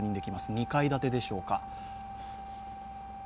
２階建てでしょうか。